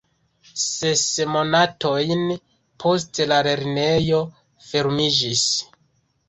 Ses monatojn poste la lernejo fermiĝis.